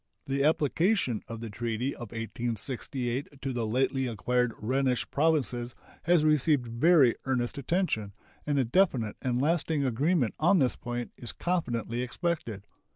The application of the treaty of 1868 to the lately acquired Rhenish provinces has received very earnest attention, and a definite and lasting agreement on this point is confidently expected.